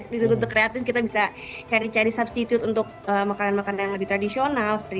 dituntut kreatif kita bisa cari cari substitute untuk makanan makanan yang lebih tradisional